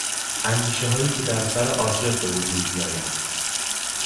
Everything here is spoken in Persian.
اندیشههایی که در سرعاشق به وجود میآیند